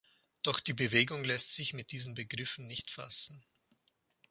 Doch die Bewegung läßt sich mit diesen Begriffen nicht fassen.